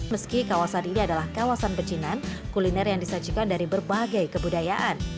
meski kawasan ini adalah kawasan pecinan kuliner yang disajikan dari berbagai kebudayaan